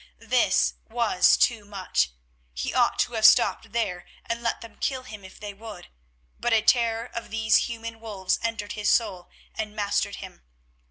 This was too much. He ought to have stopped there and let them kill him if they would, but a terror of these human wolves entered his soul and mastered him.